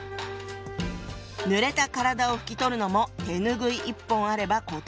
ぬれた体を拭き取るのも手拭い一本あれば事足りる。